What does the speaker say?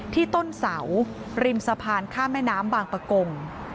ที่ต้นเสาริมสะพานข้ามแม่น้ำบางประกง